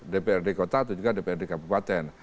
dprd kota atau juga dprd kabupaten